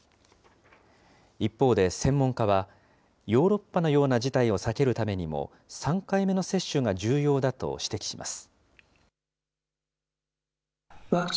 一方で専門家は、ヨーロッパのような事態を避けるためにも、３回目の接種が重要だと指摘します。